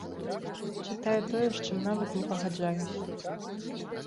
Чытаю тое, з чым нават не пагаджаюся.